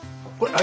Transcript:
あ！